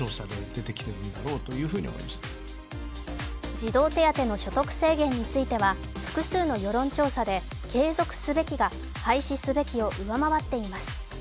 児童手当の所得制限については複数の世論調査で継続すべきか廃止すべきを上回っています。